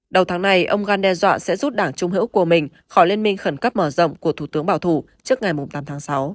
đầu tháng này ông gan đe dọa sẽ rút đảng trung hữu của mình khỏi liên minh khẩn cấp mở rộng của thủ tướng bảo thủ trước ngày tám tháng sáu